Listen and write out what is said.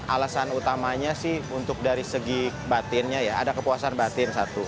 alasan utamanya sih untuk dari segi batinnya ya ada kepuasan batin satu